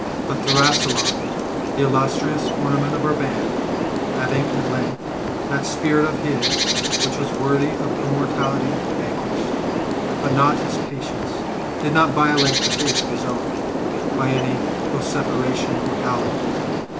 But Thrasyleon, the illustrious ornament of our ban'd, having, at length, that spirit of his which was worthy of immortality van quished, but not his patience, did not violate the faith of his oath, by any vociferation or howling.